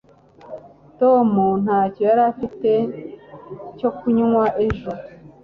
tom ntacyo yari afite cyo kunywa ejo